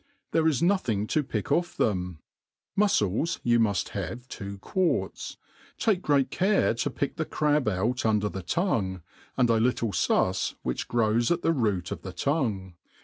There is nothing to pick ofi^ them. Mufcles you muft have two quarts ; take great care to pick the crab out under the tongue, and a little fus which grows at the root of the tongue.